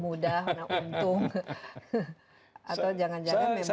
atau jangan jangan memang